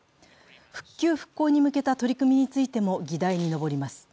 復旧・復興に向けた取り組みについても議題に上ります。